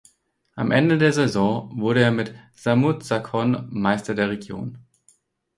Am Ende der Saison wurde er mit Samut Sakhon Meister der Region.